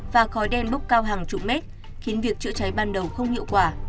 và khói đen bốc cao hàng chục mét khiến việc chữa cháy ban đầu không hiệu quả